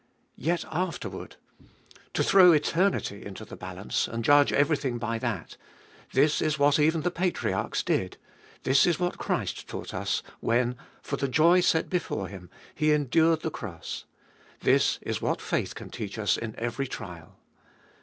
Yet afterward : to throw eternity into the balance, and judge everything by that : this is what even the patriarchs did ; this is what Christ taught us, when, for the joy set before Him, He endured the cross ; this is what faith can teach us in every trial.